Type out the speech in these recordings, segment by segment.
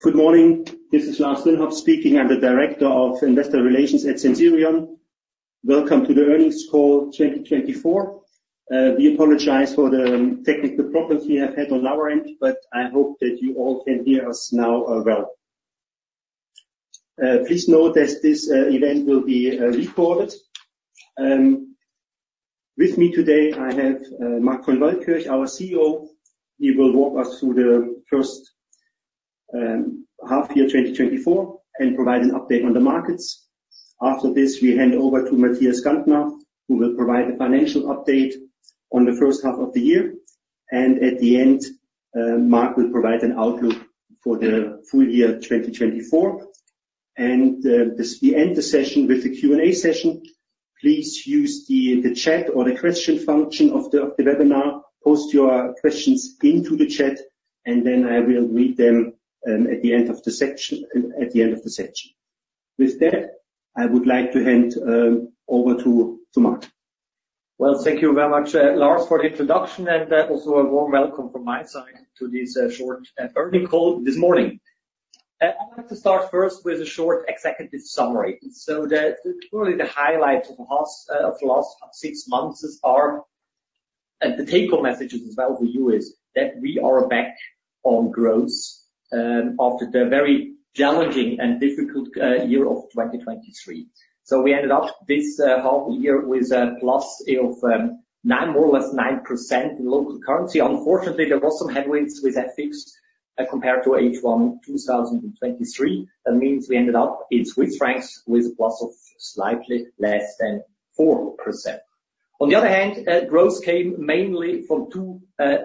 Good morning, this is Lars Dünnhaupt speaking. I'm the Director of Investor Relations at Sensirion. Welcome to the earnings call 2024. We apologize for the technical problems we have had on our end, but I hope that you all can hear us now well. Please note that this event will be recorded. With me today, I have Marc von Waldkirch, our CEO. He will walk us through the first half year 2024 and provide an update on the markets. After this, we hand over to Matthias Gantner, who will provide a financial update on the first half of the year, and at the end, Marc will provide an outlook for the full year 2024, and we end the session with a Q&A session. Please use the chat or the question function of the webinar, post your questions into the chat, and then I will read them at the end of the section at the end of the session. With that, I would like to hand over to Marc. Thank you very much, Lars, for the introduction, and also a warm welcome from my side to this short earnings call this morning. I want to start first with a short executive summary. Clearly the highlight of the last six months are, and the take-home message as well for you is, that we are back on growth after the very challenging and difficult year of 2023. We ended up this half year with a plus of more or less 9% in local currency. Unfortunately, there were some headwinds with the FX compared to H1 2023. That means we ended up in Swiss francs with a plus of slightly less than 4%. On the other hand, growth came mainly from two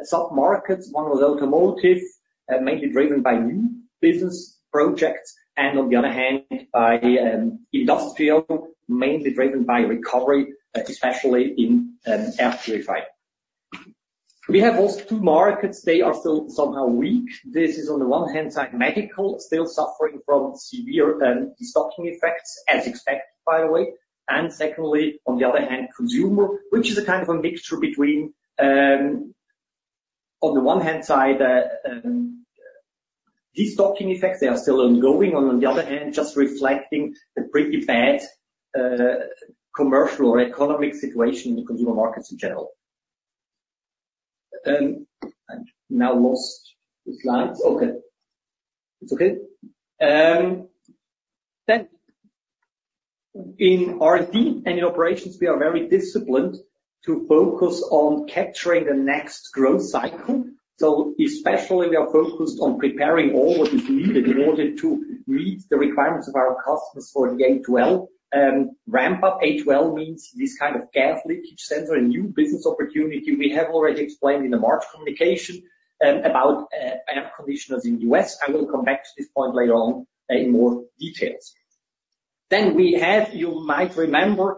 sub-markets. One was automotive, mainly driven by new business projects, and on the other hand, by industrial, mainly driven by recovery, especially in air purifiers. We have also two markets, they are still somehow weak. This is on the one hand side, medical, still suffering from severe destocking effects, as expected, by the way. And secondly, on the other hand, consumer, which is a kind of a mixture between, on the one hand side, destocking effects, they are still ongoing. On the other hand, just reflecting the pretty bad commercial or economic situation in the consumer markets in general. I now lost the slides. Okay. It's okay? Then in R&D and in operations, we are very disciplined to focus on capturing the next growth cycle. So especially, we are focused on preparing all what is needed in order to meet the requirements of our customers for the A2L. Ramp up A2L means this kind of gas leakage sensor, a new business opportunity. We have already explained in the March communication, about, air conditioners in U.S. I will come back to this point later on, in more details. Then we have, you might remember,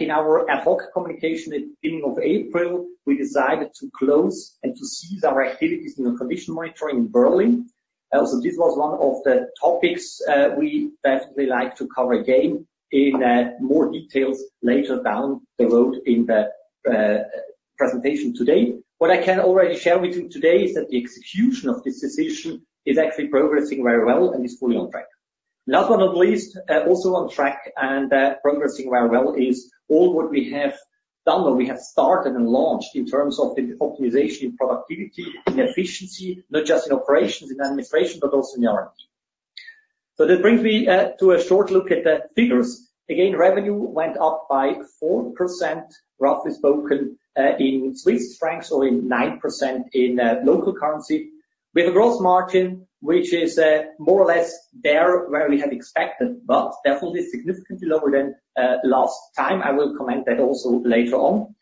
in our ad hoc communication at beginning of April, we decided to close and to cease our activities in the condition monitoring in Berlin. So this was one of the topics, we definitely like to cover again in, more details later down the road in the, presentation today. What I can already share with you today is that the execution of this decision is actually progressing very well and is fully on track. Last but not least, also on track and progressing very well is all what we have done or we have started and launched in terms of the optimization in productivity and efficiency, not just in operations and administration, but also in R&D. So that brings me to a short look at the figures. Again, revenue went up by 4%, roughly speaking, in Swiss francs, or in 9% in local currency. We have a gross margin, which is more or less where we had expected, but definitely significantly lower than last time. I will comment that also later on.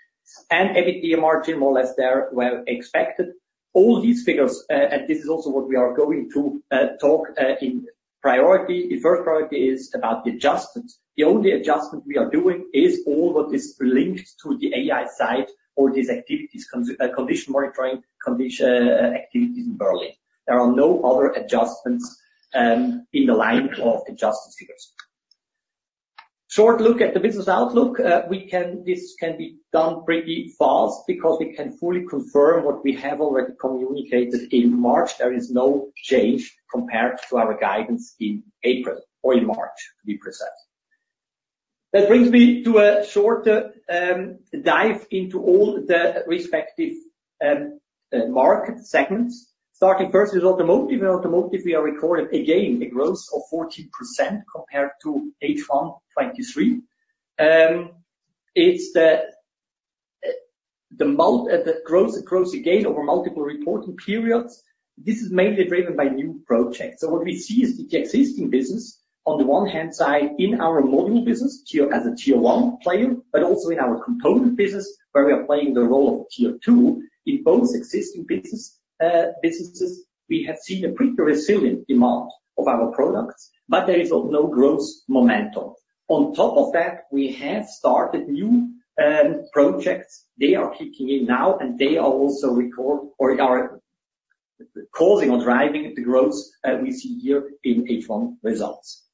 EBITDA margin, more or less where expected. All these figures, and this is also what we are going to talk in priority. The first priority is about the adjustments. The only adjustment we are doing is all what is linked to the AiSight or these activities, condition monitoring activities in Berlin. There are no other adjustments in the line of adjustment figures. Short look at the business outlook. This can be done pretty fast because we can fully confirm what we have already communicated in March. There is no change compared to our guidance in April or in March, to be precise. That brings me to a short dive into all the respective market segments. Starting first with automotive. In automotive, we are recording again a growth of 14% compared to H1 2023. It's the growth again over multiple reporting periods. This is mainly driven by new projects. So what we see is the existing business, on the one hand side, in our module business, tier, as a Tier One player, but also in our component business, where we are playing the role of Tier Two. In both existing business, businesses, we have seen a pretty resilient demand of our products, but there is no growth momentum. On top of that, we have started new projects. They are kicking in now, and they are also are causing or driving the growth we see here in H1 results.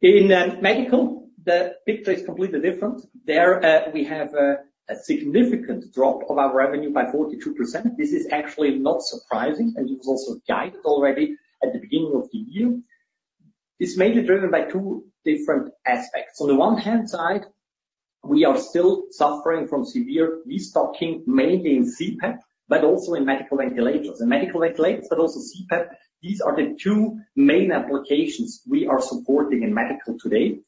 In medical, the picture is completely different. There, we have a significant drop of our revenue by 42%. This is actually not surprising, and it was also guided already at the beginning of the year. This is mainly driven by two different aspects. On the one hand, we are still suffering from severe destocking, mainly in CPAP, but also in medical ventilators. In medical ventilators, but also CPAP, these are the two main applications we are supporting in medical today.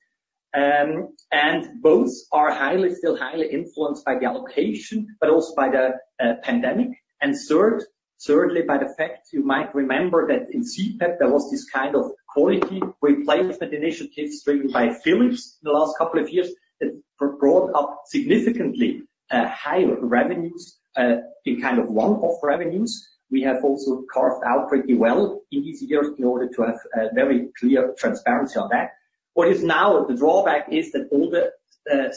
And both are highly, still highly influenced by the allocation, but also by the pandemic, and thirdly, by the fact, you might remember that in CPAP, there was this kind of quality replacement initiative driven by Philips in the last couple of years, that brought up significantly higher revenues in kind of one-off revenues. We have also carved out pretty well in these years in order to have very clear transparency on that. What is now the drawback is that all the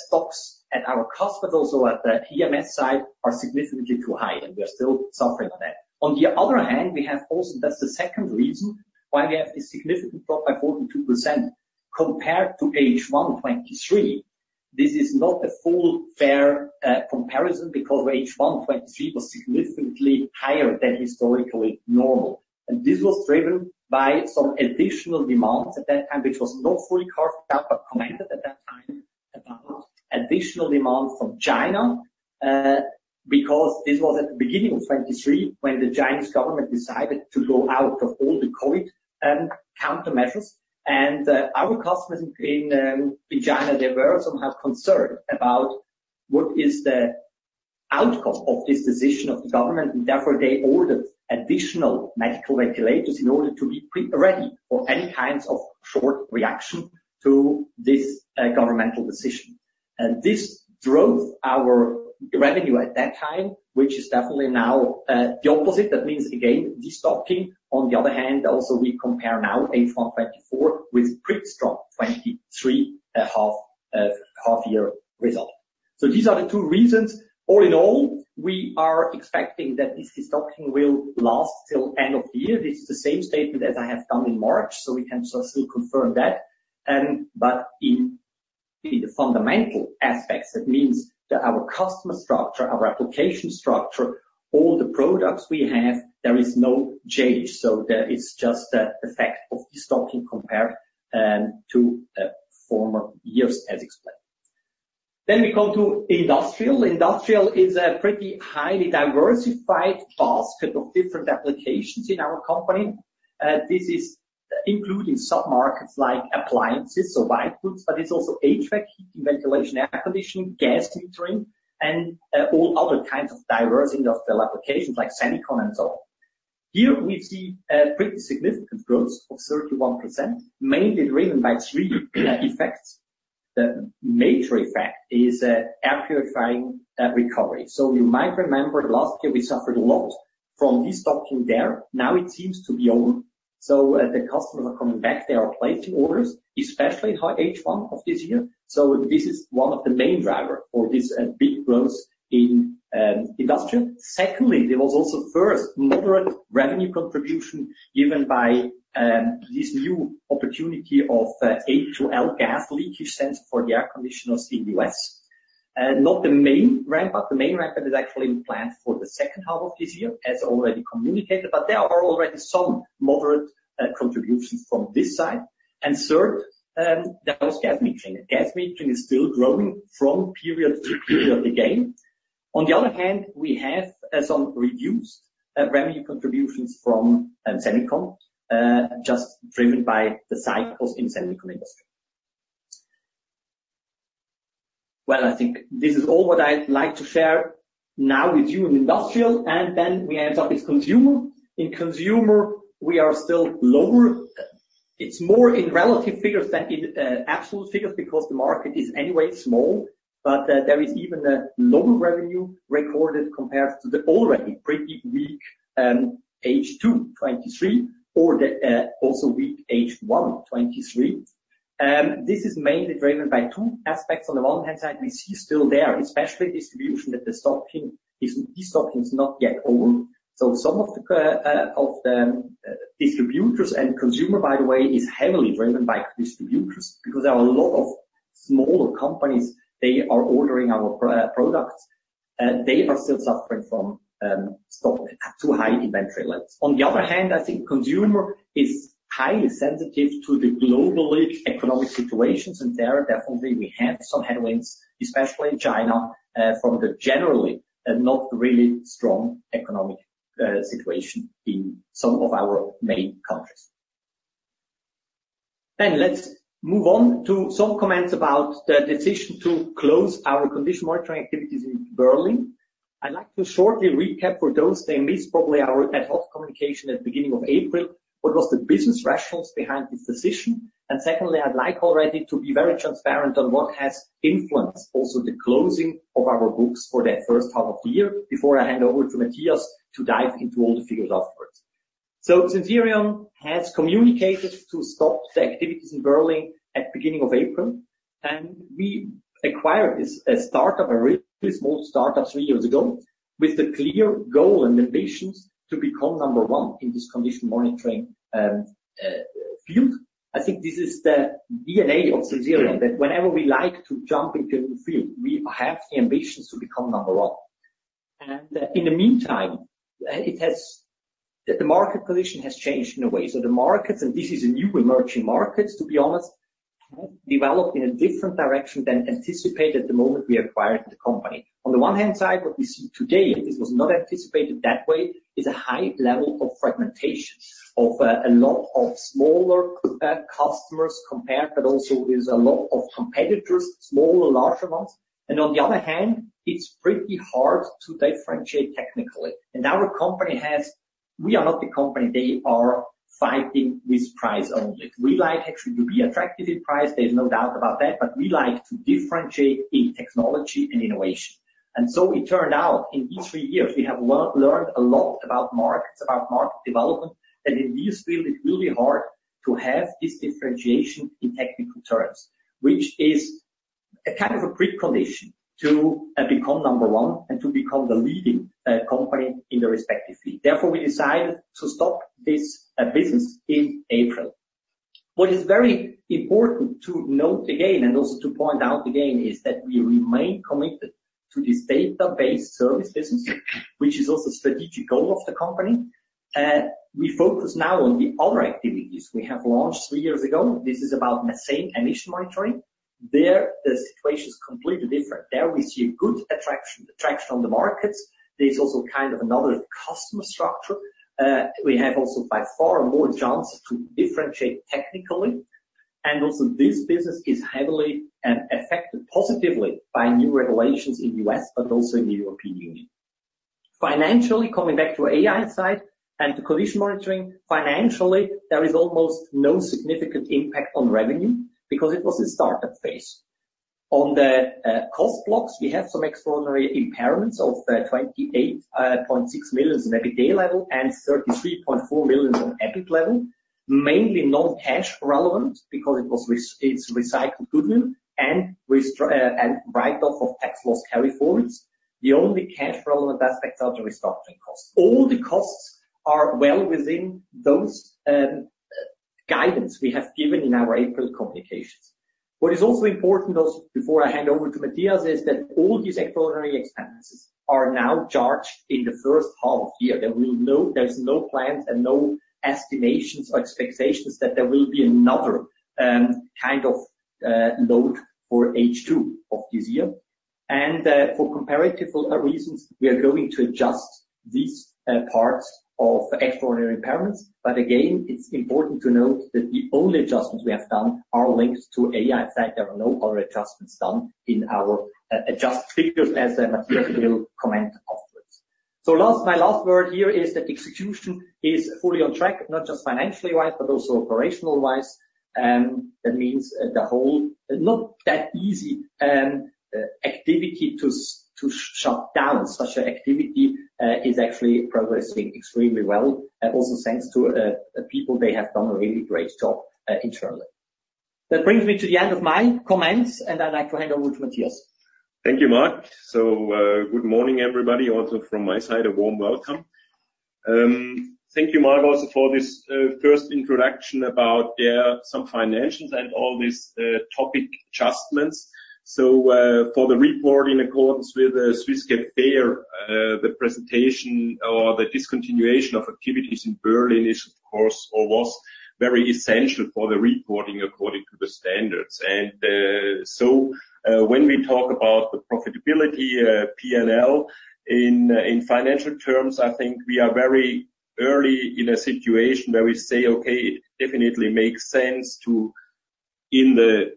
stocks at our hospitals or at the EMS side are significantly too high, and we are still suffering on that. On the other hand, we have also, that's the second reason why we have a significant drop by 42% compared to H1 2023. This is not a full, fair, comparison, because H1 2023 was significantly higher than historically normal. This was driven by some additional demands at that time, which was not fully carved out, but commented at that time, about additional demand from China, because this was at the beginning of 2023, when the Chinese government decided to go out of all the COVID countermeasures. Our customers in, in China, they were somehow concerned about what is the outcome of this decision of the government, and therefore, they ordered additional medical ventilators in order to be pre-ready for any kinds of short reaction to this, governmental decision. And this drove our revenue at that time, which is definitely now the opposite. That means, again, destocking. On the other hand, also, we compare now H1 2024 with pretty strong 2023 half-year result. These are the two reasons. All in all, we are expecting that this destocking will last till end of the year. This is the same statement as I have done in March, so we can still confirm that, but in the fundamental aspects, that means that our customer structure, our application structure, all the products we have, there is no change, so that is just the effect of destocking compared to former years, as explained, then we come to industrial. Industrial is a pretty highly diversified basket of different applications in our company. This is including sub-markets like appliances or white goods, but it's also HVAC, heating, ventilation, air conditioning, gas metering, and all other kinds of diversification of the applications like semicon and so on. Here, we see pretty significant growth of 31%, mainly driven by three effects. The major effect is air purifying recovery. So you might remember last year, we suffered a lot from destocking there. Now it seems to be over, so the customers are coming back. They are placing orders, especially H1 of this year. So this is one of the main driver for this big growth in industrial. Secondly, there was also first, moderate revenue contribution given by this new opportunity of A2L gas leakage sensor for the air conditioners in the US. Not the main ramp-up. The main ramp-up is actually planned for the second half of this year, as already communicated, but there are already some moderate contributions from this side. And third, there was gas metering. Gas metering is still growing from period to period again. On the other hand, we have some reduced revenue contributions from semicon just driven by the cycles in semicon industry. Well, I think this is all what I'd like to share now with you in industrial, and then we end up with consumer. In consumer, we are still lower. It's more in relative figures than in absolute figures, because the market is anyway small, but there is even a lower revenue recorded compared to the already pretty weak H2 2023 or the also weak H1 2023. This is mainly driven by two aspects. On the one hand side, we see still there, especially distribution, that the destocking is not yet over. So some of the distributors and consumer, by the way, is heavily driven by distributors. Because there are a lot of smaller companies, they are ordering our products, they are still suffering from stock too high inventory levels. On the other hand, I think consumer is highly sensitive to the globally economic situations, and there, definitely, we have some headwinds, especially in China, from the generally not really strong economic situation in some of our main countries. Then let's move on to some comments about the decision to close our condition monitoring activities in Berlin. I'd like to shortly recap for those that missed probably our ad hoc communication at the beginning of April. What was the business rationale behind this decision? And secondly, I'd like already to be very transparent on what has influenced also the closing of our books for that first half of the year before I hand over to Matthias to dive into all the figures afterwards. So Sensirion has communicated to stop the activities in Berlin at beginning of April. And we acquired this, a startup, a really small startup three years ago, with the clear goal and ambitions to become number one in this condition monitoring field. I think this is the DNA of Sensirion, that whenever we like to jump into a new field, we have the ambitions to become number one. And in the meantime, the market condition has changed in a way. So the markets, and this is a new emerging markets, to be honest, have developed in a different direction than anticipated the moment we acquired the company. On the one hand side, what we see today, and this was not anticipated that way, is a high level of fragmentation of, a lot of smaller, customers compared, but also is a lot of competitors, smaller, larger ones. And on the other hand, it's pretty hard to differentiate technically. And our company has. We are not the company, they are fighting with price only. We like actually to be attractive in price, there's no doubt about that, but we like to differentiate in technology and innovation. And so it turned out in these three years, we have learned a lot about markets, about market development, and in this field, it's really hard to have this differentiation in technical terms, which is a kind of a precondition to become number one and to become the leading company in the respective field. Therefore, we decided to stop this business in April. What is very important to note again, and also to point out again, is that we remain committed to this data-based service business, which is also strategic goal of the company. We focus now on the other activities we have launched three years ago. This is about methane emission monitoring. There, the situation is completely different. There, we see a good attraction on the markets. There's also kind of another customer structure. We have also by far more chance to differentiate technically. This business is also heavily affected positively by new regulations in U.S., but also in the European Union. Financially, coming back to AiSight and the condition monitoring, financially, there is almost no significant impact on revenue because it was a startup phase. On the cost blocks, we have some extraordinary impairments of 28.6 million in EBITDA level and 33.4 million on EBIT level, mainly non-cash relevant because it was recycled goodwill and write-off of tax loss carry-forwards. The only cash relevant aspects are the restructuring costs. All the costs are well within those guidance we have given in our April communications. What is also important, also, before I hand over to Matthias, is that all these extraordinary expenses are now charged in the first half year. There's no plans and no estimations or expectations that there will be another kind of load for H2 of this year. And for comparative reasons, we are going to adjust these parts of extraordinary impairments. But again, it's important to note that the only adjustments we have done are linked to AI. In fact, there are no other adjustments done in our adjusted figures, as Matthias will comment afterwards. So last, my last word here is that execution is fully on track, not just financially-wise, but also operational-wise. That means the whole, not that easy, activity to shut down such an activity is actually progressing extremely well. Also, thanks to the people, they have done a really great job internally. That brings me to the end of my comments, and I'd like to hand over to Matthias. Thank you, Marc. So, good morning, everybody. Also from my side, a warm welcome. Thank you, Marc, also for this first introduction about some financials and all these topic adjustments. So, for the report in accordance with Swiss GAAP FER, the presentation or the discontinuation of activities in Berlin is, of course, or was very essential for the reporting according to the standards. When we talk about the profitability, P&L in financial terms, I think we are very early in a situation where we say, "Okay, it definitely makes sense to in the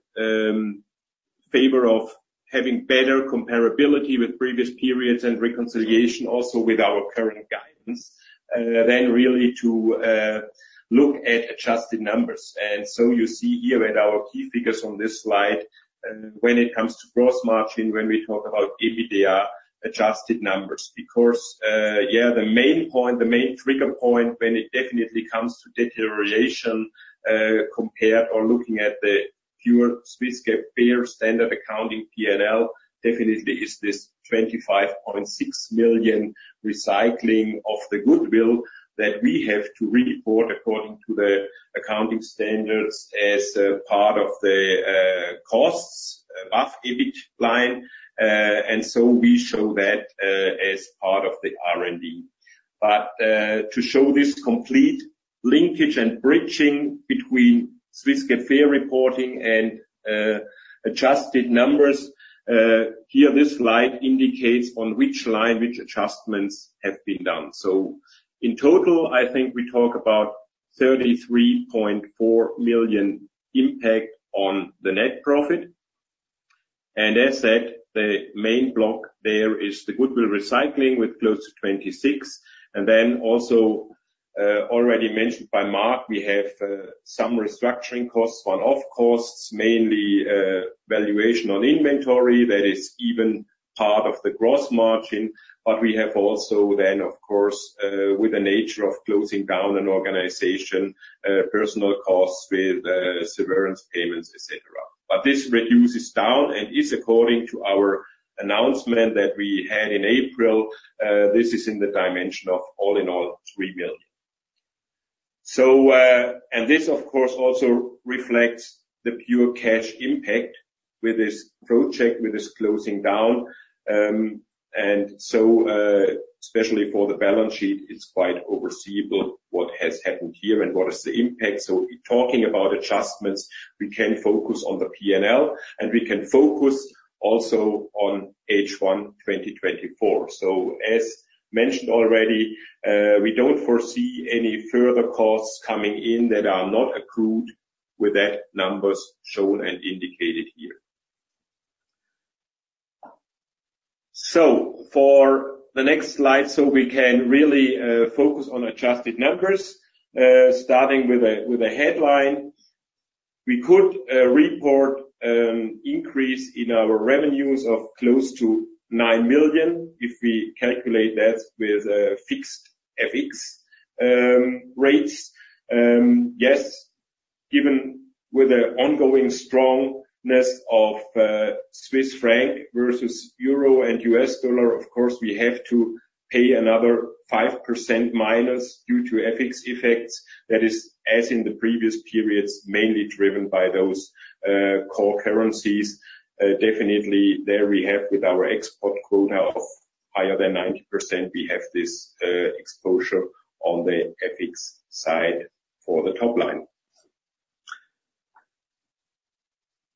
favor of having better comparability with previous periods and reconciliation also with our current guidance, then really to look at adjusted numbers." You see here with our key figures on this slide, and when it comes to gross margin, when we talk about EBITDA, adjusted numbers. Because, yeah, the main point, the main trigger point, when it definitely comes to deterioration, compared or looking at the pure Swiss GAAP FER standard accounting P&L, definitely is this 25.6 million recycling of the goodwill that we have to report according to the accounting standards as a part of the costs above EBIT line. And so we show that as part of the R&D. But to show this complete linkage and bridging between Swiss GAAP FER reporting and adjusted numbers, here this slide indicates on which line which adjustments have been done. So in total, I think we talk about 33.4 million impact on the net profit. And as said, the main block there is the goodwill recycling with close to 26 million, and then also already mentioned by Marc, we have some restructuring costs, one-off costs, mainly valuation on inventory that is even part of the gross margin. But we have also then, of course, with the nature of closing down an organization, personnel costs with severance payments, et cetera. This reduces down and is according to our announcement that we had in April. This is in the dimension of all in all, 3 million. And this, of course, also reflects the pure cash impact with this project, with this closing down. And so, especially for the balance sheet, it's quite overseeable what has happened here and what is the impact. Talking about adjustments, we can focus on the PNL, and we can focus also on H1 2024. As mentioned already, we don't foresee any further costs coming in that are not accrued with that numbers shown and indicated here. For the next slide, we can really focus on adjusted numbers. Starting with a headline, we could report increase in our revenues of close to 9 million, if we calculate that with fixed FX rates. Yes, even with the ongoing strongness of Swiss franc versus Euro and U.S. dollar, of course, we have to pay another 5% minus due to FX effects. That is, as in the previous periods, mainly driven by those core currencies. Definitely, there we have with our export quota of higher than 90%, we have this exposure on the FX side for the top line.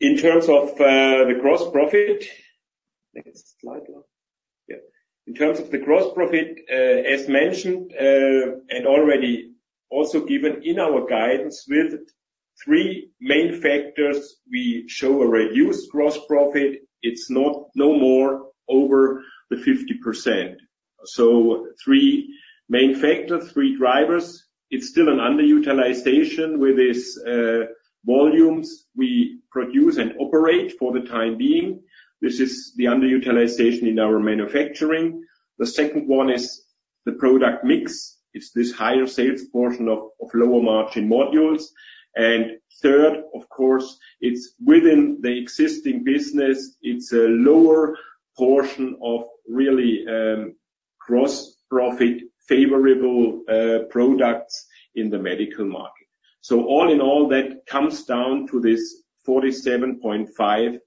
In terms of the gross profit. Next slide, yeah. In terms of the gross profit, as mentioned, and already also given in our guidance with three main factors, we show a reduced gross profit. It's not no more over the 50%. So three main factors, three drivers. It's still an underutilization with this volumes we produce and operate for the time being. This is the underutilization in our manufacturing. The second one is the product mix. It's this higher sales portion of lower margin modules. And third, of course, it's within the existing business, it's a lower portion of really gross profit favorable products in the medical market. So all in all, that comes down to this 47.5%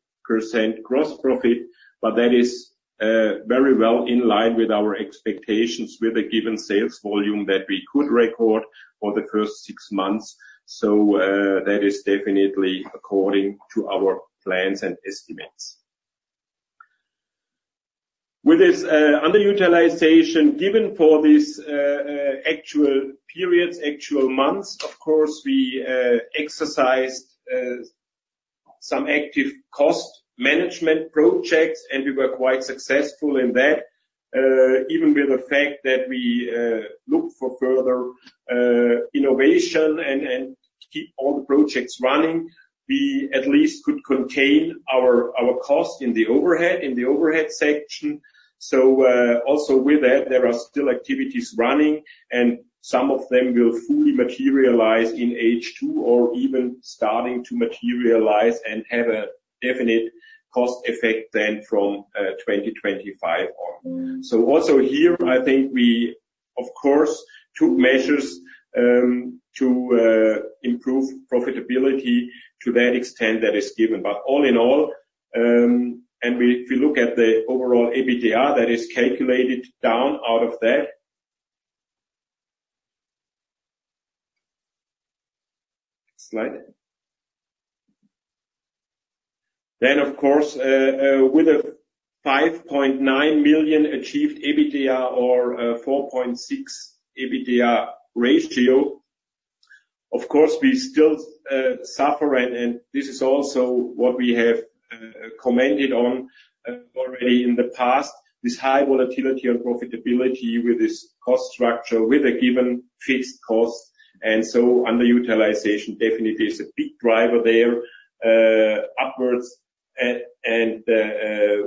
gross profit, but that is very well in line with our expectations, with a given sales volume that we could record for the first six months. So that is definitely according to our plans and estimates. With this underutilization, given for this actual periods, actual months, of course, we exercised some active cost management projects, and we were quite successful in that. Even with the fact that we look for further innovation and keep all the projects running, we at least could contain our cost in the overhead, in the overhead section. So also with that, there are still activities running, and some of them will fully materialize in H2, or even starting to materialize and have a definite cost effect then from 2025 on. So also here, I think we, of course, took measures to improve profitability to that extent that is given. But all in all, and if we look at the overall EBITDA, that is calculated down out of that. Next slide. Then, of course, with a 5.9 million achieved EBITDA or 4.6% EBITDA ratio, of course, we still suffer, and this is also what we have commented on already in the past, this high volatility and profitability with this cost structure, with a given fixed cost. And so underutilization definitely is a big driver there, upwards. And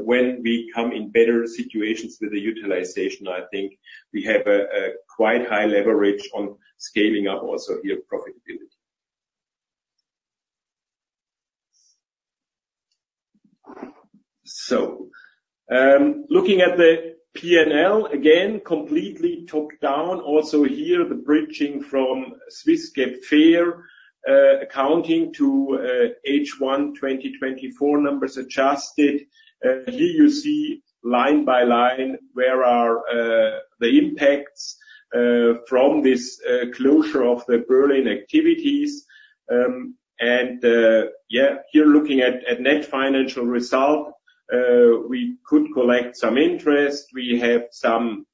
when we come in better situations with the utilization, I think we have a quite high leverage on scaling up also here, profitability. So, looking at the PNL, again, completely talked down. Also here, the bridging from Swiss GAAP FER accounting to H1 2024 numbers adjusted. Here you see line by line, where are the impacts from this closure of the Berlin activities. Here, looking at net financial result, we could collect some interest. We have some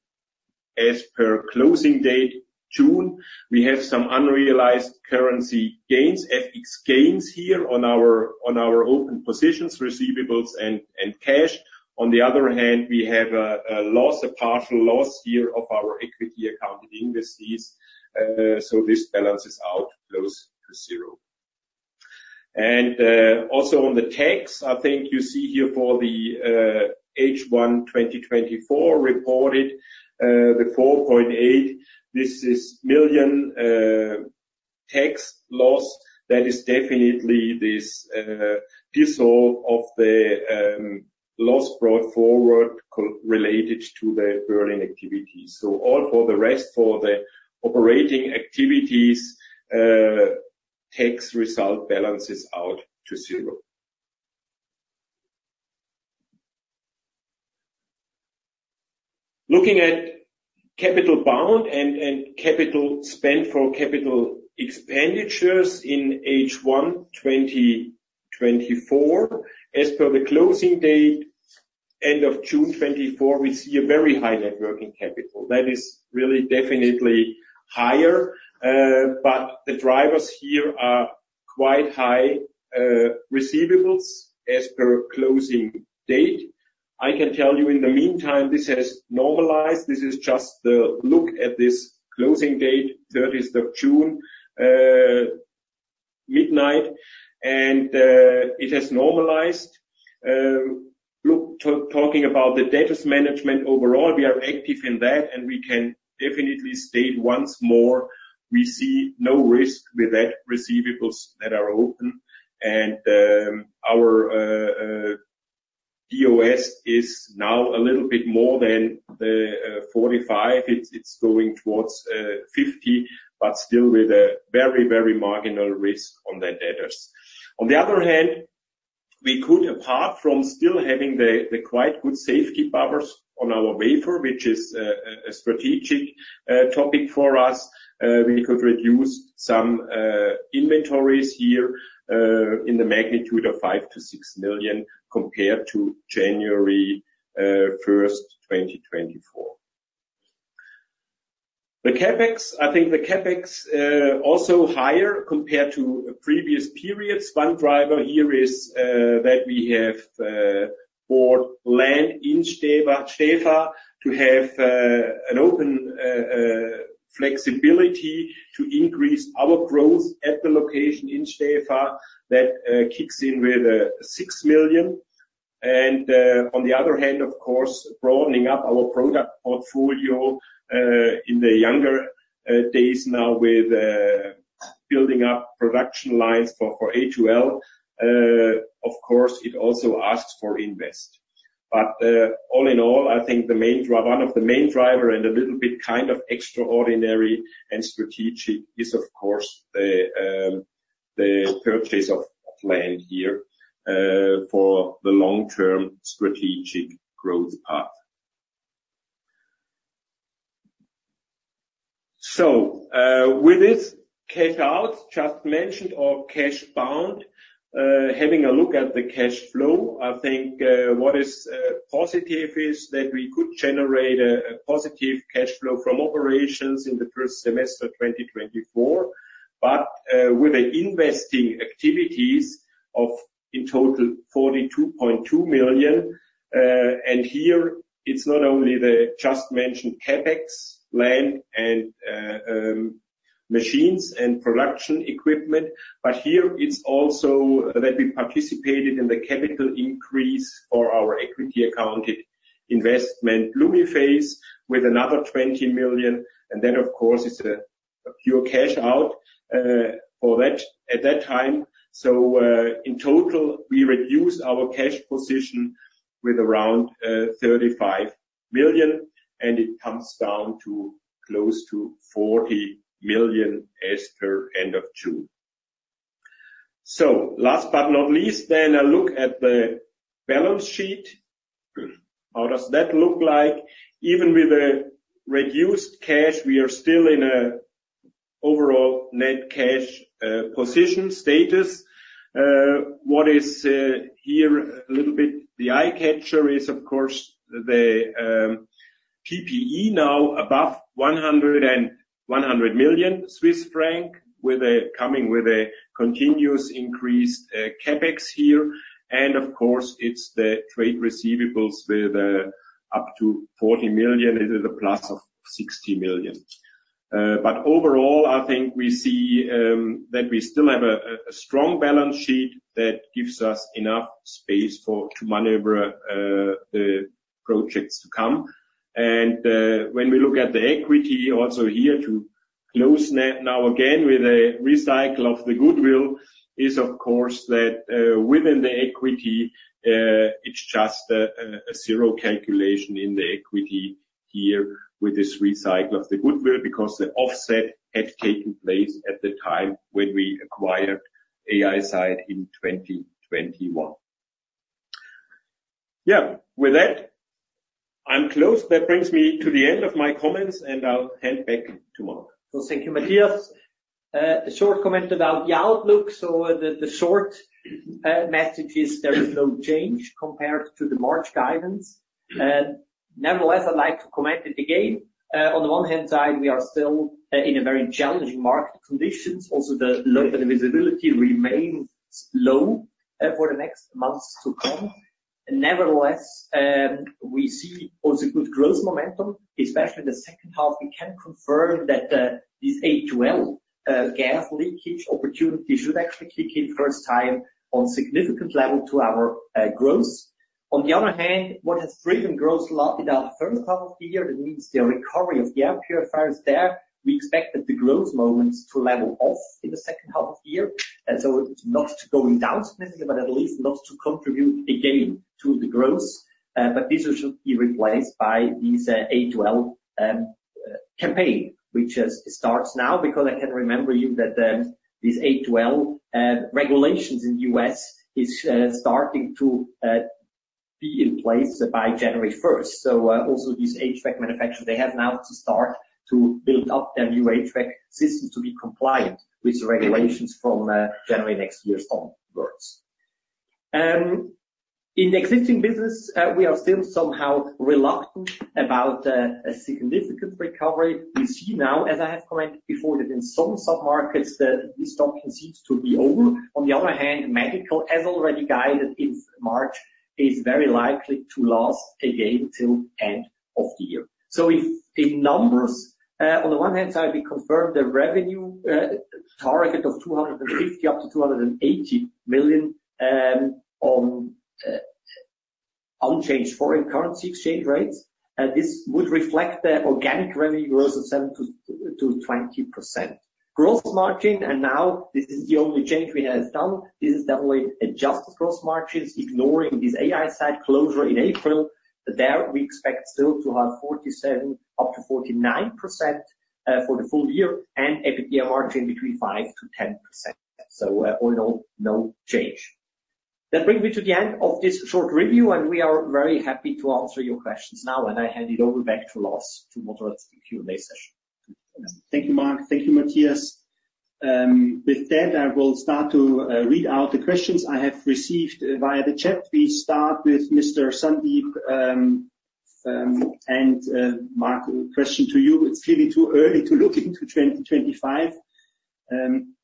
as per closing date, June. We have some unrealized currency gains, FX gains here on our open positions, receivables and cash. On the other hand, we have a loss, a partial loss here of our equity-accounted investees, so this balances out close to zero. Also on the tax, I think you see here for the H1 2024, reported, the 4.8. This is million tax loss. That is definitely this piece of the loss brought forward correlated to the Berlin activities. All for the rest, for the operating activities, tax result balances out to zero. Looking at capital bound and capital spent for capital expenditures in H1 2024, as per the closing date, end of June 2024, we see a very high net working capital. That is really definitely higher, but the drivers here are quite high receivables as per closing date. I can tell you in the meantime, this has normalized. This is just the look at this closing date, thirtieth of June, midnight, and it has normalized. Look, talking about the debtors management overall, we are active in that, and we can definitely state once more, we see no risk with that receivables that are open. And our DSO is now a little bit more than forty-five. It's going towards fifty, but still with a very, very marginal risk on the debtors. On the other hand, we could, apart from still having the quite good safety buffers on our wafer, which is a strategic topic for us, we could reduce some inventories here in the magnitude of 5 million-6 million, compared to January first, 2024. The CapEx, I think, also higher compared to previous periods. One driver here is that we have bought land in Stäfa to have an open flexibility to increase our growth at the location in Stäfa. That kicks in with 6 million. And on the other hand, of course, broadening up our product portfolio in the younger days now with building up production lines for A2L. Of course, it also asks for invest. All in all, I think the main driver, one of the main driver, and a little bit kind of extraordinary and strategic, is of course the purchase of land here for the long-term strategic growth path. With this cash outflow just mentioned, or cash burn, having a look at the cash flow, I think what is positive is that we could generate a positive cash flow from operations in the first semester, 2024. But with the investing activities of, in total, 42.2 million, and here it's not only the just mentioned CapEx, land and machines and production equipment, but here it's also that we participated in the capital increase for our equity accounted investment Lumiphase, with another 20 million, and then, of course, it's a pure cash out for that at that time. So in total, we reduced our cash position with around 35 million, and it comes down to close to 40 million as per end of June. So last but not least, then a look at the balance sheet. How does that look like? Even with a reduced cash, we are still in an overall net cash position status. What is here a little bit the eye catcher is, of course, the PPE now above 101 million Swiss franc, with a continuous increase CapEx here. And of course, it is the trade receivables with up to 40 million. It is a plus of 60 million. But overall, I think we see that we still have a strong balance sheet that gives us enough space to maneuver the projects to come. When we look at the equity also here to close net now again, with a recycling of the goodwill, it is of course that within the equity, it's just a zero calculation in the equity here with this recycling of the goodwill, because the offset had taken place at the time when we acquired AiSight in 2021. Yeah, with that, I'm closed. That brings me to the end of my comments, and I'll hand back to Marc. So thank you, Matthias. A short comment about the outlook. So the short message is there is no change compared to the March guidance. Nevertheless, I'd like to comment it again. On the one hand side, we are still in a very challenging market conditions. Also, the load and the visibility remains low for the next months to come. Nevertheless, we see also good growth momentum, especially in the second half. We can confirm that this A2L gas leakage opportunity should actually kick in first time on significant level to our growth. On the other hand, what has driven growth a lot in our first half of the year, that means the recovery of the air purifiers there, we expect that the growth momentum to level off in the second half of the year. And so it's not going down, but at least not to contribute again to the growth. But this should be replaced by these A2L campaign, which starts now, because I want to remind you that these A2L regulations in U.S. is starting to be in place by January first. So also these HVAC manufacturers, they have now to start to build up their new HVAC system to be compliant with the regulations from January next year onwards. In existing business, we are still somehow reluctant about a significant recovery. We see now, as I have commented before, that in some submarkets, the destocking seems to be over. On the other hand, medical, as already guided in March, is very likely to last again till end of the year. So in numbers, on the one hand side, we confirm the revenue target of 250 million-280 million on unchanged foreign currency exchange rates. And this would reflect the organic revenue growth of 7%-20%. Gross margin, and now this is the only change we have done, this is definitely adjusted gross margins, ignoring this AiSight closure in April. There, we expect still to have 47%-49% for the full year and EBITDA margin between 5%-10%. So all in all, no change. That brings me to the end of this short review, and we are very happy to answer your questions now. And I hand it over back to Lars to moderate the Q&A session. Thank you, Marc. Thank you, Matthias. With that, I will start to read out the questions I have received via the chat. We start with Mr. Sandeep, and Marc, question to you: It's clearly too early to look into 2025,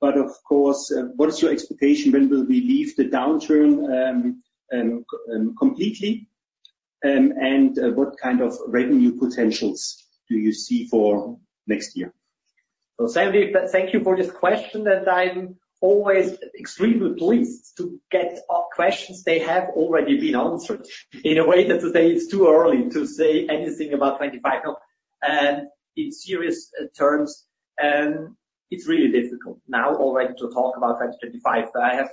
but of course, what is your expectation? When will we leave the downturn completely? And what kind of revenue potentials do you see for next year? So Sandeep, thank you for this question, and I'm always extremely pleased to get questions that have already been answered. In a way, that today it's too early to say anything about 2025. In serious terms, it's really difficult now already to talk about 2025. But I have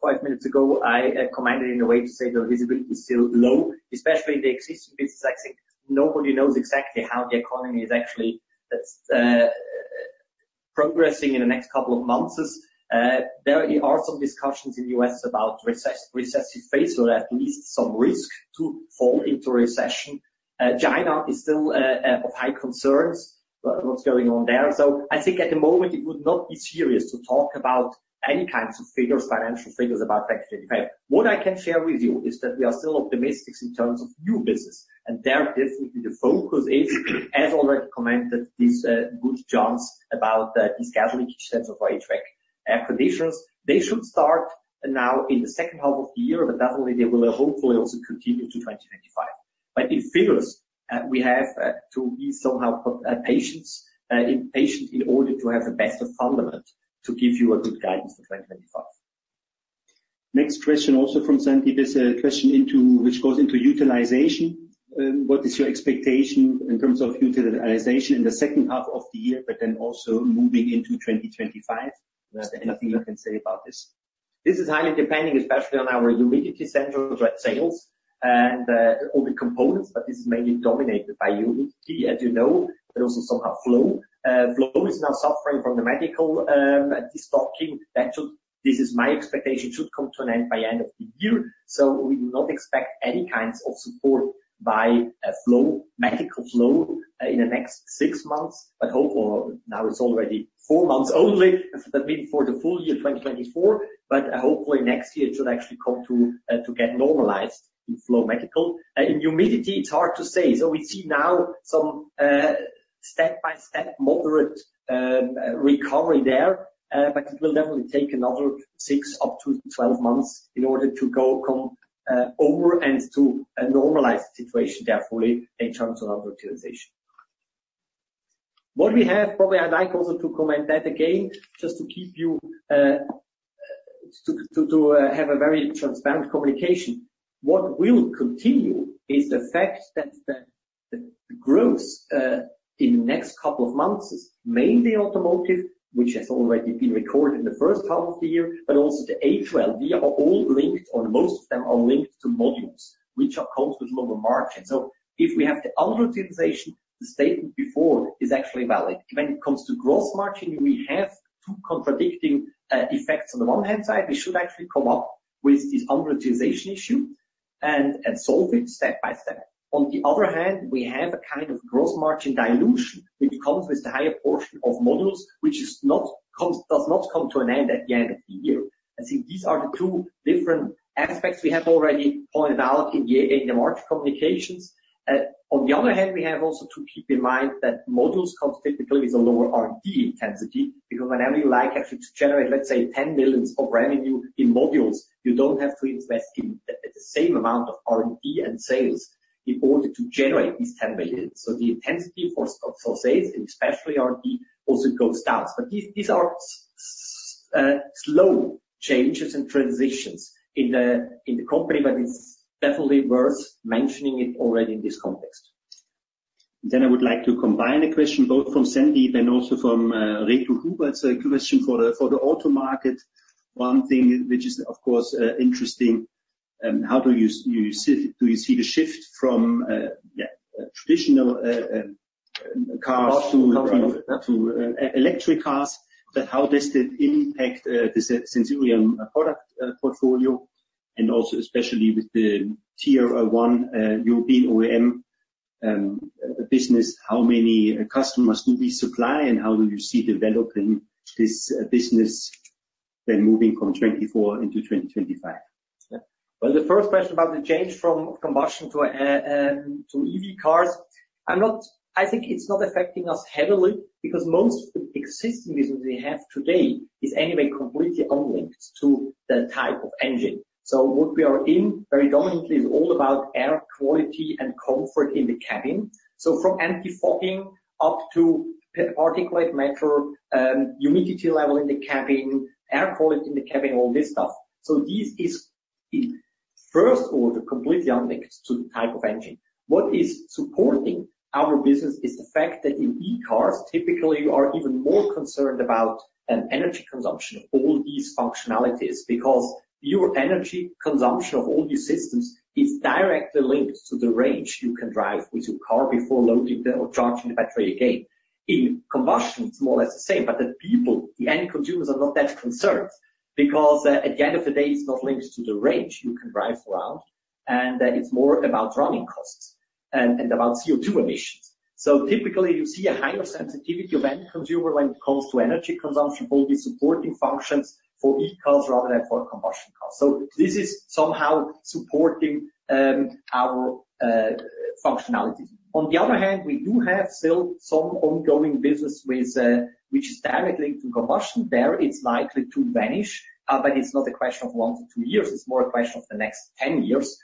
five minutes ago, I commented in a way to say the visibility is still low, especially in the existing business. I think nobody knows exactly how the economy is actually progressing in the next couple of months. There are some discussions in the U.S. about recessionary phase, or at least some risk to fall into recession. China is still of high concerns, what's going on there. So I think at the moment it would not be serious to talk about any kinds of figures, financial figures, about 2025. What I can share with you is that we are still optimistic in terms of new business, and there definitely the focus is, as already commented, these good chances about these categories of HVAC. Air conditioners, they should start now in the second half of the year, but definitely they will hopefully also continue to 2025. But in figures, we have to be somehow patient in order to have a better foundation to give you a good guidance for 2025. Next question, also from Sandeep. It's a question which goes into utilization. What is your expectation in terms of utilization in the second half of the year, but then also moving into 2025? Is there anything you can say about this? This is highly depending, especially on our humidity sensor sales and all the components, but this is mainly dominated by humidity, as you know, but also somehow flow. Flow is now suffering from the medical destocking. This is my expectation, should come to an end by end of the year. So we do not expect any kinds of support by flow, medical flow, in the next six months, but hope or now it's already four months only, that mean for the full year, 2024, but hopefully next year it should actually come to get normalized in flow medical. In humidity, it's hard to say. So we see now some step-by-step moderate recovery there, but it will definitely take another six to 12 months in order to come over to a normalized situation therefore in terms of our utilization. What we have probably. I'd like also to comment that again just to keep you to have a very transparent communication. What will continue is the fact that the growth in the next couple of months is mainly automotive, which has already been recorded in the first half of the year, but also the A2L. They are all linked, or most of them are linked to modules, which come with lower margins. So if we have the underutilization, the statement before is actually valid. When it comes to gross margin, we have two contradicting effects. On the one hand side, we should actually come up with this underutilization issue and solve it step by step. On the other hand, we have a kind of gross margin dilution, which comes with the higher portion of modules, which does not come to an end at the end of the year. I think these are the two different aspects we have already pointed out in the March communications. On the other hand, we have also to keep in mind that modules comes typically with a lower R&D intensity, because whenever you like actually to generate, let's say, 10 millions of revenue in modules, you don't have to invest in the same amount of R&D and sales in order to generate these 10 million. So the intensity for sales, and especially R&D, also goes down. But these are... Slow changes and transitions in the company, but it's definitely worth mentioning it already in this context. Then I would like to combine a question both from Sandy, then also from Reto Huber. It's a question for the auto market. One thing which is, of course, interesting, how do you see the shift from traditional cars to electric cars, but how does it impact the Sensirion product portfolio, and also especially with the Tier One European OEM business, how many customers do we supply, and how do you see developing this business then moving from 2024 into 2025? The first question about the change from combustion to EV cars, I think it's not affecting us heavily, because most of the existing business we have today is anyway completely unlinked to the type of engine. So what we are in, very dominantly, is all about air quality and comfort in the cabin. So from antifogging up to particulate matter, humidity level in the cabin, air quality in the cabin, all this stuff. So this is, in first order, completely unlinked to the type of engine. What is supporting our business is the fact that in e-cars, typically, you are even more concerned about an energy consumption of all these functionalities, because your energy consumption of all your systems is directly linked to the range you can drive with your car before loading the or charging the battery again. In combustion, it's more or less the same, but the people, the end consumers, are not that concerned because at the end of the day, it's not linked to the range you can drive around, and it's more about running costs and about CO2 emissions. So typically, you see a higher sensitivity of end consumer when it comes to energy consumption, all the supporting functions for e-cars rather than for combustion cars. So this is somehow supporting our functionalities. On the other hand, we do have still some ongoing business with which is directly to combustion. There, it's likely to vanish but it's not a question of one to two years. It's more a question of the next ten years.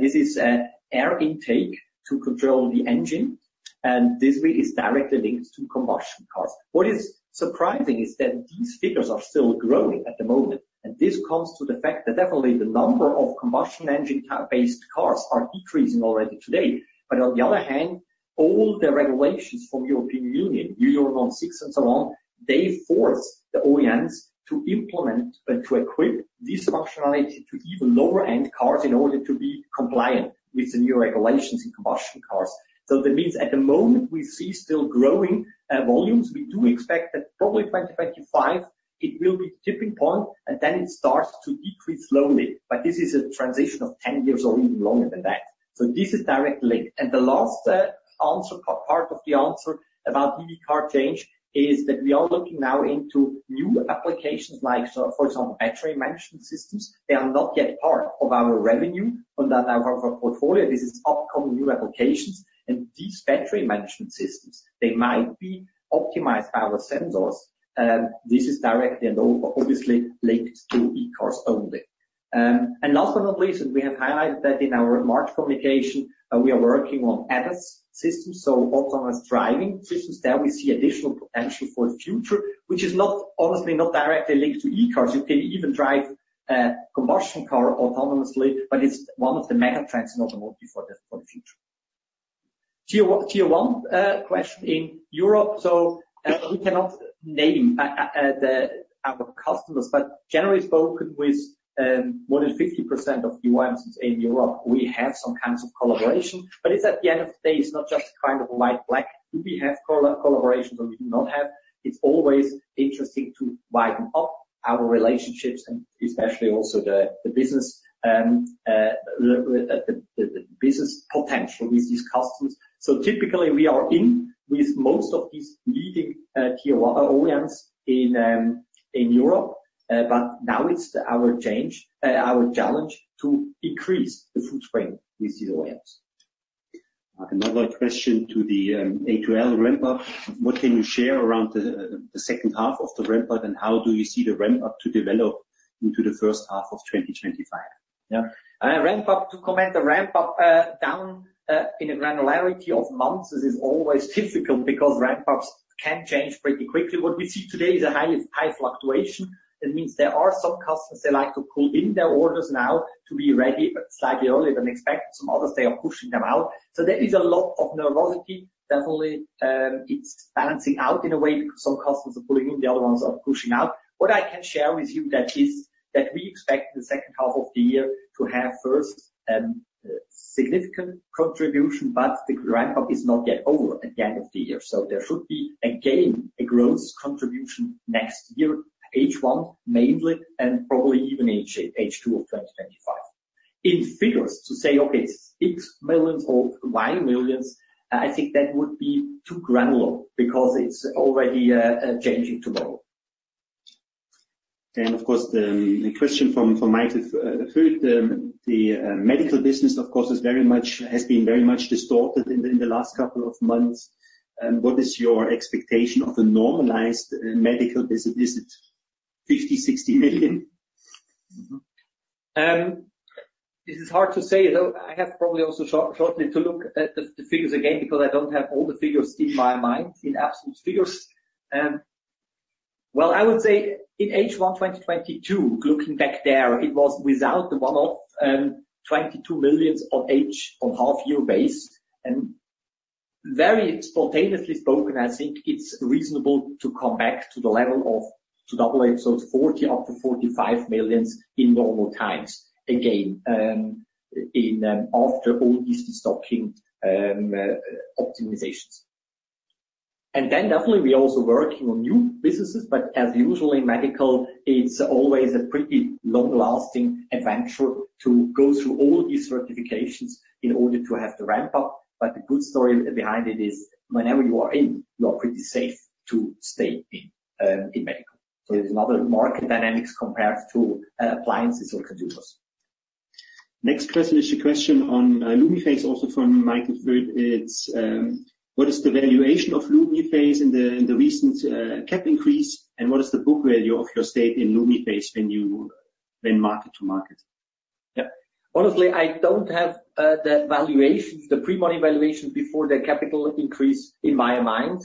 This is air intake to control the engine, and this really is directly linked to combustion cars. What is surprising is that these figures are still growing at the moment, and this comes to the fact that definitely the number of combustion engine car-based cars are decreasing already today. But on the other hand, all the regulations from European Union, Euro 6 and so on, they force the OEMs to implement and to equip this functionality to even lower-end cars in order to be compliant with the new regulations in combustion cars. So that means at the moment, we see still growing volumes. We do expect that probably 2025, it will be the tipping point, and then it starts to decrease slowly, but this is a transition of ten years or even longer than that. So this is directly linked. And the last answer, part of the answer about EV car change is that we are looking now into new applications, like, so for example, battery management systems. They are not yet part of our revenue on that, our portfolio. This is upcoming new applications, and these battery management systems, they might be optimized by our sensors. This is directly and obviously linked to e-cars only. And last but not least, we have highlighted that in our March communication, and we are working on ADAS systems, so autonomous driving systems. There we see additional potential for the future, which is not, honestly, not directly linked to e-cars. You can even drive a combustion car autonomously, but it's one of the mega trends in automotive for the future. Tier one question in Europe. We cannot name our customers, but generally speaking with more than 50% of OEMs in Europe, we have some kinds of collaboration. But it's at the end of the day, it's not just kind of black and white, do we have collaborations or we do not have? It's always interesting to widen up our relationships and especially also the business potential with these customers. So typically, we are in with most of these leading Tier 1 OEMs in Europe, but now it's our chance, our challenge to increase the footprint with these OEMs. Another question to the A2L ramp-up. What can you share around the second half of the ramp-up, and how do you see the ramp-up to develop into the first half of 2025? Yeah. Ramp-up, to comment the ramp-up down in a granularity of months, this is always difficult because ramp-ups can change pretty quickly. What we see today is a high, high fluctuation. That means there are some customers, they like to pull in their orders now to be ready, but slightly earlier than expected. Some others, they are pushing them out. So there is a lot of nervosity. Definitely, it's balancing out in a way, because some customers are pulling in, the other ones are pushing out. What I can share with you that is, that we expect the second half of the year to have first significant contribution, but the ramp-up is not yet over at the end of the year. So there should be, again, a growth contribution next year, H1 mainly, and probably even H2 of 2025. In figures, to say, okay, it's X millions or Y millions. I think that would be too granular because it's already changing tomorrow. Of course, the question from Mike, the medical business, of course, is very much... has been very much distorted in the last couple of months. What is your expectation of the normalized medical business? Is it 50 million-60 million .fThis is hard to say, though I have probably also shortly to look at the figures again, because I don't have all the figures in my mind, in absolute figures. Well, I would say in H1 2022, looking back there, it was without the one-off, 22 million on half year base, and very spontaneously spoken, I think it's reasonable to come back to the level of, to double it, so it's 40 million-45 million in normal times again, in, after all these destocking optimizations. And then definitely we are also working on new businesses, but as usually in medical, it's always a pretty long-lasting adventure to go through all these certifications in order to have the ramp up. But the good story behind it is whenever you are in, you are pretty safe to stay in, in medical. So it's another market dynamics compared to appliances or consumers. Next question is a question on Lumiphase, also from Michael Foeth. It's: What is the valuation of Lumiphase in the recent capital increase, and what is the book value of your stake in Lumiphase when you mark to market? Yeah. Honestly, I don't have the valuation, the pre-money valuation before the capital increase in my mind.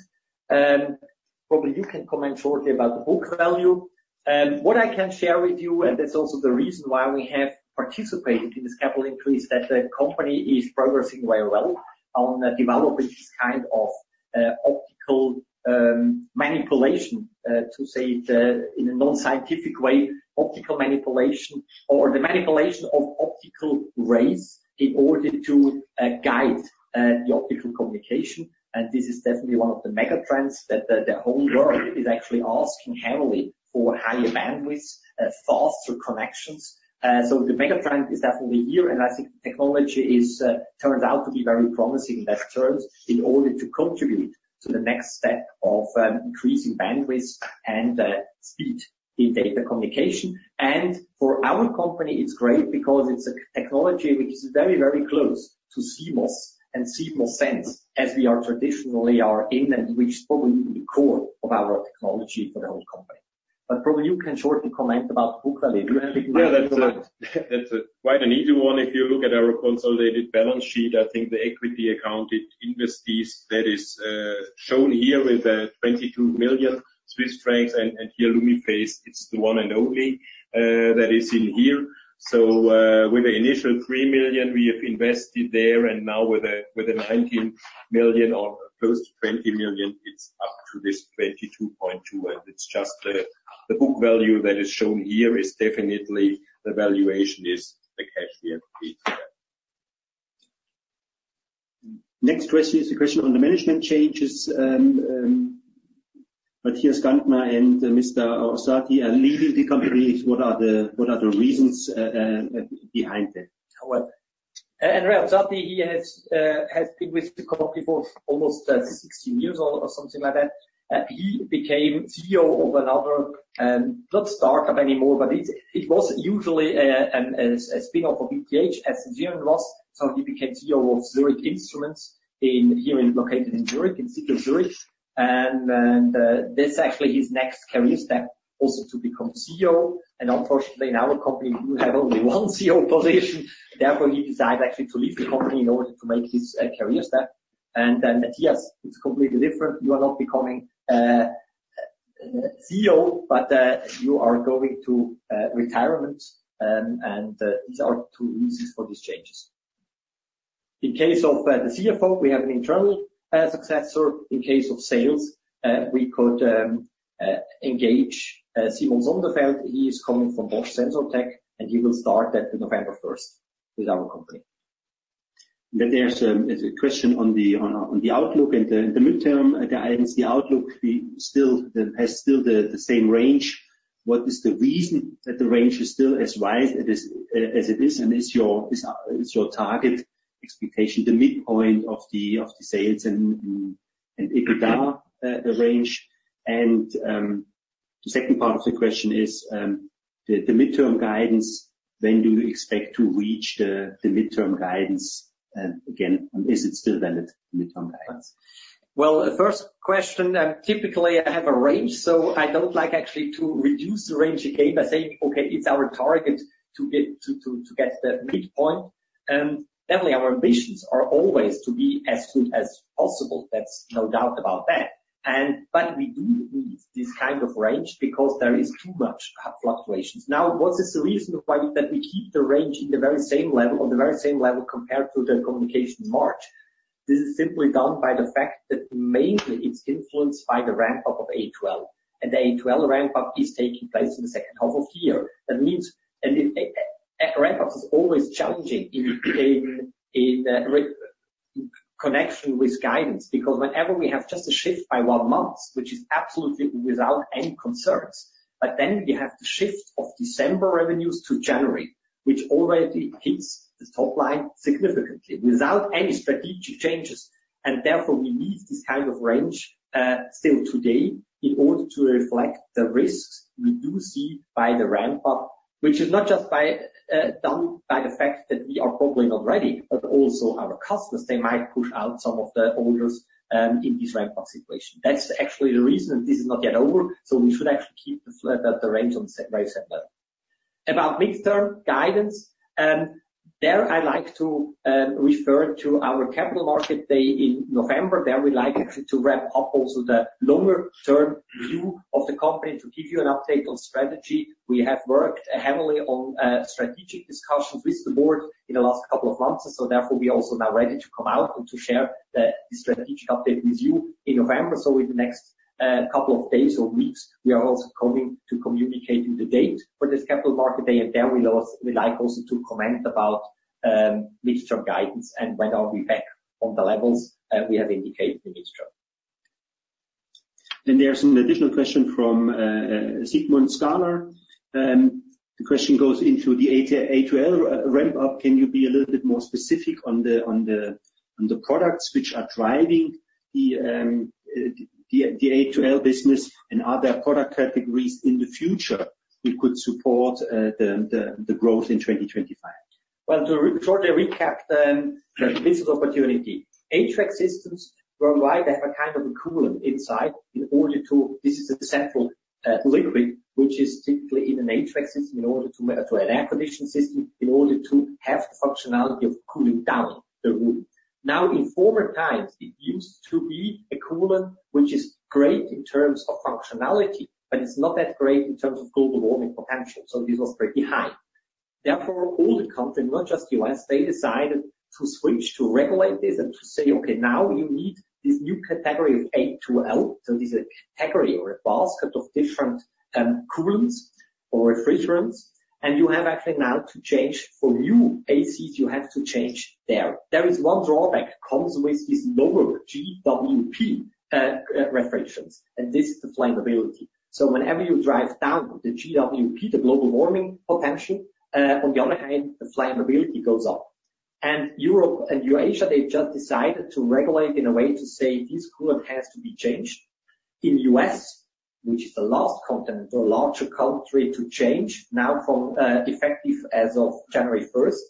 Probably you can comment shortly about the book value. What I can share with you, and that's also the reason why we have participated in this capital increase, that the company is progressing very well on developing this kind of optical manipulation to say it in a non-scientific way, optical manipulation or the manipulation of optical rays in order to guide the optical communication, and this is definitely one of the mega trends that the whole world is actually asking heavily for higher bandwidth, faster connections. So the mega trend is definitely here, and I think technology is turns out to be very promising in that terms, in order to contribute to the next step of increasing bandwidth and speed in data communication. And for our company, it's great because it's a technology which is very, very close to CMOS and CMOSens, as we are traditionally in and which is probably the core of our technology for the whole company. But probably you can shortly comment about book value. Do you have it in mind? Yeah, that's quite an easy one. If you look at our consolidated balance sheet, I think the equity accounted investment that is shown here with 22 million Swiss francs, and here Lumiphase, it's the one and only that is in here. So, with the initial 3 million we have invested there, and now with the 19 million or close to 20 million, it's up to this 22.2. And it's just the book value that is shown here is definitely the valuation is the cash here. Next question is a question on the management changes. Matthias Gantner and Mr. Orsatti are leaving the company. What are the reasons behind that? Andrea Orsatti has been with the company for almost 16 years or something like that. He became CEO of another, not startup anymore, but it was usually a spinoff of ETH as Sensirion was. So he became CEO of Zurich Instruments located in Zurich, in the city of Zurich. This actually is his next career step, also to become CEO. Unfortunately, in our company, we have only one CEO position. Therefore, he decided actually to leave the company in order to make his career step. Then, Matthias, it's completely different. You are not becoming CEO, but you are going to retirement. These are two reasons for these changes. In case of the CFO, we have an internal successor. In case of sales, we could engage Simon Sonnenfeld. He is coming from Bosch Sensotec, and he will start at November first with our company. There is a question on the outlook and the midterm guidance. The outlook still has the same range. What is the reason that the range is still as wide as it is? And is your target expectation the midpoint of the sales and EBITDA range? And the second part of the question is the midterm guidance, when do you expect to reach the midterm guidance? And again, is it still valid, the midterm guidance? The first question, typically I have a range, so I don't like actually to reduce the range again by saying, "Okay, it's our target to get to the midpoint." Definitely our ambitions are always to be as good as possible. That's no doubt about that. And, but we do need this kind of range because there is too much fluctuations. Now, what is the reason why that we keep the range in the very same level, on the very same level compared to the communication in March? This is simply down to the fact that mainly it's influenced by the ramp-up of A2L, and the A2L ramp-up is taking place in the second half of the year. That means, a ramp-up is always challenging in connection with guidance, because whenever we have just a shift by one month, which is absolutely without any concerns, but then you have the shift of December revenues to January, which already hits the top line significantly without any strategic changes. And therefore, we need this kind of range still today in order to reflect the risks we do see by the ramp-up, which is not just done by the fact that we are probably not ready, but also our customers, they might push out some of the orders in this ramp-up situation. That's actually the reason, and this is not yet over, so we should actually keep the range on the very same level. About mid-term guidance, there, I like to refer to our capital market day in November. There we like actually to wrap up also the long-term view of the company to give you an update on strategy. We have worked heavily on strategic discussions with the board in the last couple of months, so therefore, we are also now ready to come out and to share the strategic update with you in November, so in the next couple of days or weeks, we are also coming to communicating the date for this capital market day, and then we will, we like also to comment about mid-term guidance and when are we back on the levels we have indicated in mid-term? There are some additional questions from Simon Staehelin. The question goes into the A2L ramp up. Can you be a little bit more specific on the products which are driving the A2L business and other product categories in the future we could support the growth in 2025? To briefly recap this opportunity. AC systems provide a kind of a coolant inside in order to... This is a sample, liquid, which is typically in an AC system, in order to, to an air conditioning system, in order to have the functionality of cooling down the room. Now, in former times, it used to be a coolant, which is great in terms of functionality, but it's not that great in terms of global warming potential, so this was pretty high. Therefore, all the companies, not just U.S., they decided to switch to regulate this and to say, "Okay, now you need this new category of A2L." So this is a category or a basket of different coolants or refrigerants, and you have actually now to change. For new ACs, you have to change there. There is one drawback comes with this lower GWP refrigerants, and this is the flammability. So whenever you drive down the GWP, the global warming potential, on the other hand, the flammability goes up. And Europe and Eurasia, they just decided to regulate in a way to say this coolant has to be changed. In U.S., which is the last continent or larger country to change, now from effective as of January first,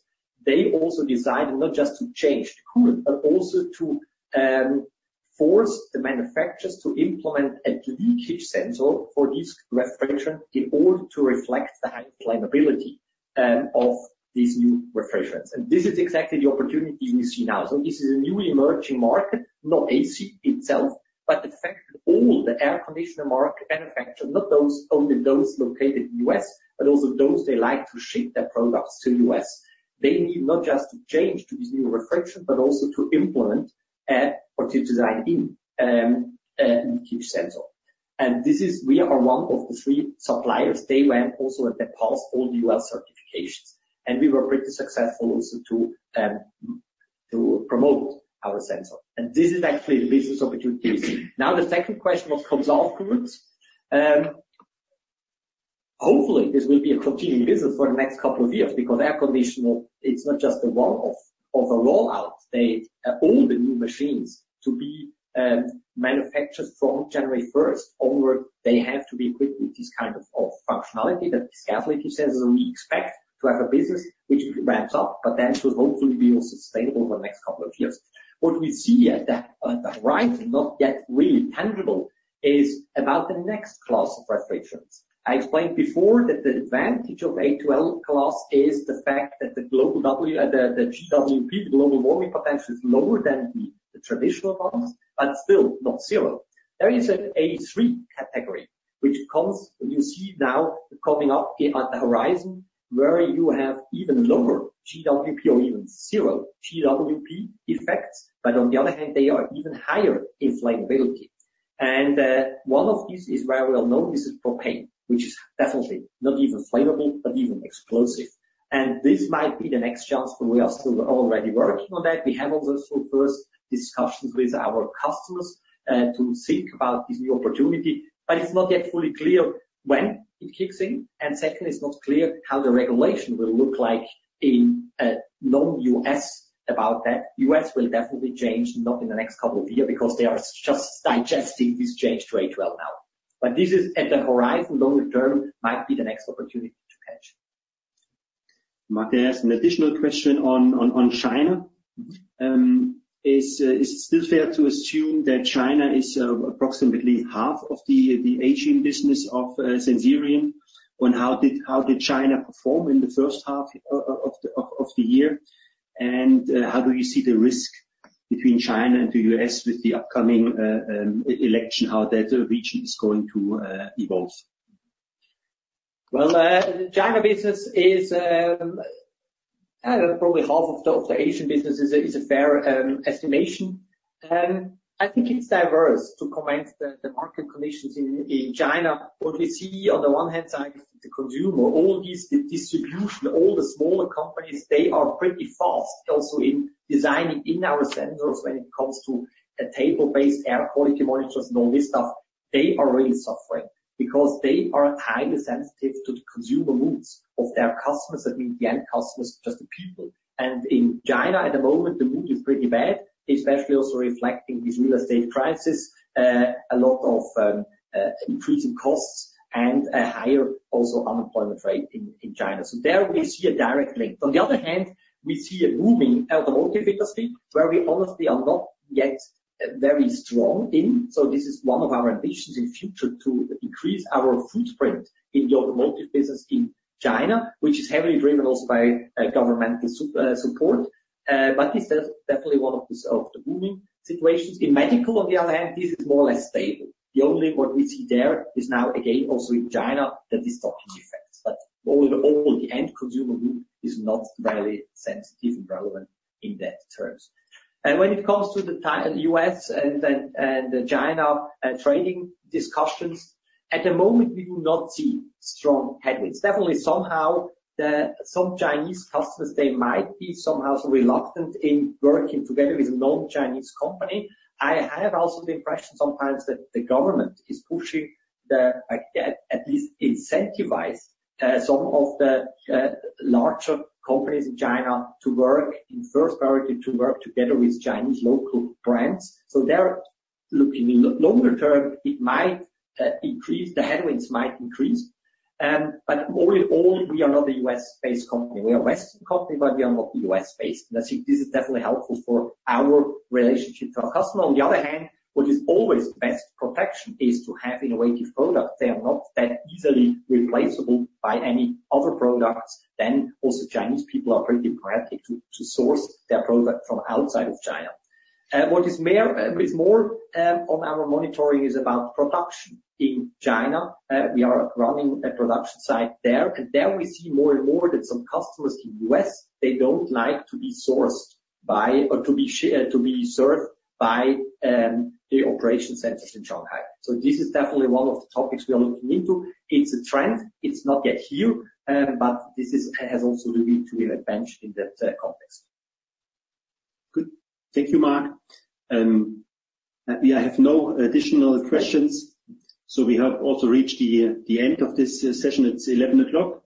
they also decided not just to change the coolant, but also to force the manufacturers to implement a leakage sensor for this refrigerant in order to reflect the high flammability of these new refrigerants. And this is exactly the opportunity we see now. So this is a newly emerging market, not AC itself, but it affects all the air conditioner market manufacturers, not those, only those located in U.S., but also those that like to ship their products to U.S. They need not just to change to this new refrigerant, but also to implement or to design in a A2L sensor. And this is we are one of the three suppliers. They went also in the past all U.S. certifications, and we were pretty successful also to promote our sensor. And this is actually the business opportunity. Now, the second question was, comes afterwards. Hopefully, this will be a continuing business for the next couple of years, because air conditioner, it's not just the one-off of a rollout. They all the new machines to be manufactured from January first onward, they have to be equipped with this kind of functionality, that Pascal says. We expect to have a business which ramps up, but then to hopefully be more sustainable over the next couple of years. What we see on the horizon, not yet really tangible, is about the next class of refrigerants. I explained before that the advantage of A2L class is the fact that the global w- the GWP, the global warming potential, is lower than the traditional ones, but still not zero. There is an A3 category, which comes, you see now, coming up on the horizon, where you have even lower GWP or even zero GWP effects, but on the other hand, they are even higher in flammability. One of these is very well known, this is propane, which is definitely not even flammable, but even explosive. This might be the next chance, but we are still already working on that. We have also some first discussions with our customers to think about this new opportunity, but it's not yet fully clear when it kicks in. Second, it's not clear how the regulation will look like in non-U.S. about that. The U.S. will definitely change, not in the next couple of years, because they are just digesting this change to A2L now, but this is at the horizon, longer term, might be the next opportunity to catch. Marc, there's an additional question on China. Is it still fair to assume that China is approximately half of the Asian business of Sensirion? And how did China perform in the first half of the year? And how do you see the risk between China and the U.S. with the upcoming election, how that region is going to evolve? Well, China business is probably half of the Asian business is a fair estimation. I think it's diverse to comment the market conditions in China. What we see on the one hand side, the consumer, all these, the distribution, all the smaller companies, they are pretty fast also in designing in our sensors when it comes to a table-based air quality monitors and all this stuff. They are really suffering, because they are highly sensitive to the consumer moods of their customers, that means the end customers, just the people. And in China, at the moment, the mood is pretty bad, especially also reflecting this real estate crisis, a lot of increasing costs and a higher also unemployment rate in China. So there we see a direct link. On the other hand, we see a booming automotive industry, where we honestly are not yet very strong in, so this is one of our ambitions in future to increase our footprint in the automotive business in China, which is heavily driven also by governmental support. But this is definitely one of the booming situations. In medical, on the other hand, this is more or less stable. The only what we see there is now, again, also in China, the restocking effects. But all the end consumer group is not very sensitive and relevant in that terms, and when it comes to the U.S. and the China trading discussions, at the moment, we do not see strong headwinds. Definitely, somehow, some Chinese customers, they might be somehow reluctant in working together with a non-Chinese company. I have also the impression sometimes that the government is pushing the, like, at least incentivize some of the larger companies in China to work in first priority, to work together with Chinese local brands. So there, look, in the longer term, it might increase, the headwinds might increase. But we are not a U.S.-based company. We are a Western company, but we are not U.S.-based, and I think this is definitely helpful for our relationship to our customer. On the other hand, what is always the best protection is to have innovative products. They are not that easily replaceable by any other products, then also Chinese people are pretty pragmatic to source their product from outside of China. What is more, on our monitoring is about production in China. We are running a production site there, and there we see more and more that some customers in U.S., they don't like to be sourced by or to be served by the operations centers in Shanghai. So this is definitely one of the topics we are looking into. It's a trend. It's not yet here, but this has also the need to be advanced in that context. Good. Thank you, Marc. We have no additional questions, so we have also reached the end of this session. It's 11:00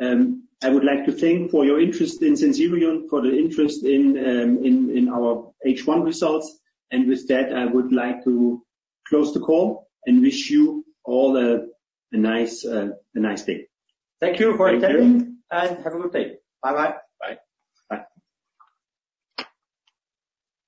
A.M. I would like to thank for your interest in Sensirion, for the interest in our H1 results, and with that, I would like to close the call and wish you all a nice day. Thank you for attending. Thank you. and have a good day. Bye-bye. Bye. Bye.